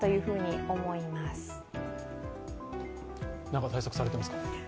何か対策されていますか？